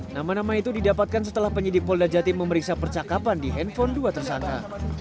nama nama itu didapatkan setelah penyidik polda jatim memeriksa percakapan di handphone dua tersangka